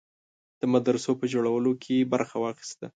د مدرسو په جوړولو کې برخه واخیسته.